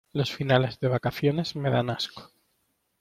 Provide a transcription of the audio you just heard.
Los finales de vacaciones me dan asco.